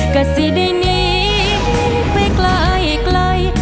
กะสิดินีไปไกล